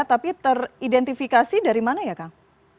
tapi teridentifikasi dari mana ya kang